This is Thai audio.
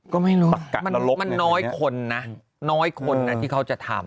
ก็ไม่รู้มันน้อยคนนะน้อยคนนะที่เขาจะทำ